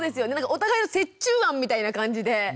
お互いの折衷案みたいな感じで。